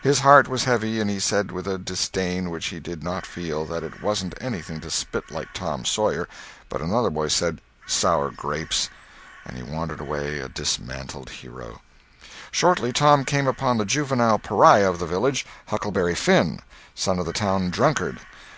His heart was heavy, and he said with a disdain which he did not feel that it wasn't anything to spit like Tom Sawyer; but another boy said, "Sour grapes!" and he wandered away a dismantled hero. Shortly Tom came upon the juvenile pariah of the village, Huckleberry Finn, son of the town drunkard.